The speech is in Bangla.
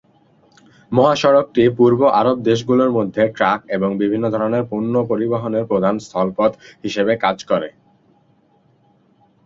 মহাসড়কটি পূর্ব আরব দেশগুলোর মধ্যে ট্রাক এবং বিভিন্ন ধরণের পণ্য পরিবহনের প্রধান স্থল পথ হিসেবে কাজ করে।